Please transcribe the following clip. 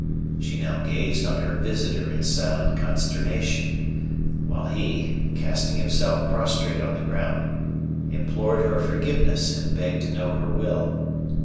She now gazed on her visitor in silent consternation; while he, casting himself prostrate on the ground, implored her forgiveness and begged to know her will.